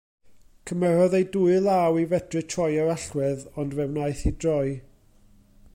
Cymerodd ei dwy law i fedru troi yr allwedd, ond fe wnaeth hi droi.